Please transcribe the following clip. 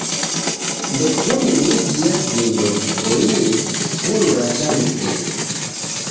Ndekune miji ya vindo viboie skulu ra cha mzinyi.